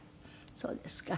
そうですか。